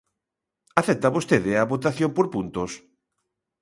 ¿Acepta vostede a votación por puntos?